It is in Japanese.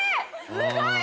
すごい！